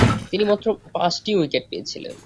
তিনি মাত্র পাঁচটি উইকেট পেয়েছিলেন।